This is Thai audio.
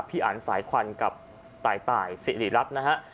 พี่อันสายควันกับตายตายสิริรับนะฮะ